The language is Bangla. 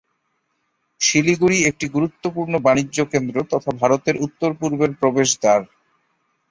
শিলিগুড়ি একটি গুরুত্বপূর্ণ বাণিজ্য কেন্দ্র তথা ভারতের উত্তর-পূর্বের প্রবেশদ্বার।